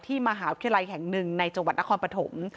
มหาวิทยาลัยแห่งหนึ่งในจังหวัดนครปฐม